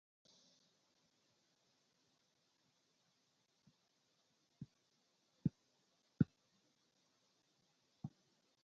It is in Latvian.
Padomju laiku jaunsaimniece, kurai piešķīra pusi no mūsu māju pagalma.